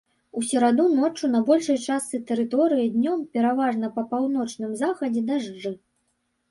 У сераду ноччу на большай частцы тэрыторыі, днём пераважна па паўночным захадзе дажджы.